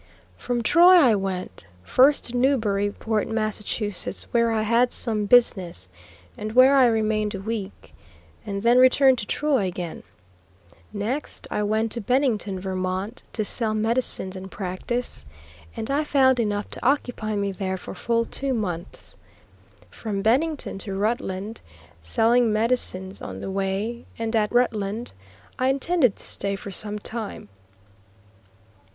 From Troy I went, first to Newburyport, Mass., where I had some business, and where I remained a week, and then returned to Troy again. Next I went to Bennington, Vt., to sell medicines and practice, and I found enough to occupy me there for full two months. From Bennington to Rutland, selling medicines on the way, and at Rutland I intended to stay for some time.